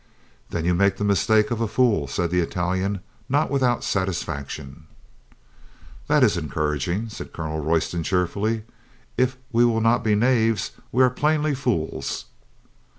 "Then you make the mistake of a fool," said the Italian, not without satisfaction. "This is encouraging," said Colonel Royston cheerfully. "If we will not be knaves we are plainly fools."